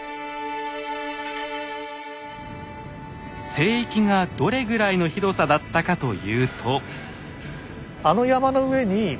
聖域がどれぐらいの広さだったかというと。